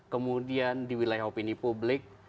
kemudian di wilayah opini publik